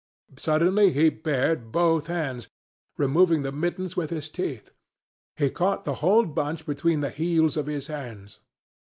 Suddenly he bared both hands, removing the mittens with his teeth. He caught the whole bunch between the heels of his hands.